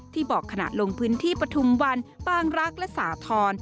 บอกขณะลงพื้นที่ปฐุมวันบางรักและสาธรณ์